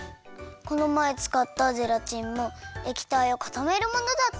このまえつかったゼラチンもえきたいをかためるものだったよね？